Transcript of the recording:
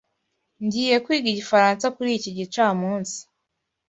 Ngiye kwiga Igifaransa kuri iki gicamunsi.